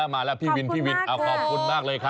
มาแล้วพี่วินขอบคุณมากเลยครับ